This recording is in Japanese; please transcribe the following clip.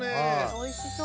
おいしそう。